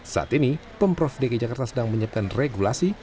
saat ini pemprov dki jakarta sedang menyiapkan regulasi